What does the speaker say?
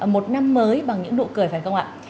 một năm mới bằng những nụ cười phải không ạ